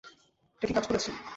এটা কি কাজ করেছে?